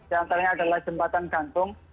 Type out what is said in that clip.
yang terakhir adalah jembatan gantung